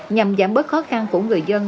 nhằm giảm bớt khó khăn của người dân